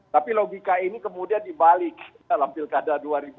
tapi logika ini kemudian dibalik dalam pilkada dua ribu dua puluh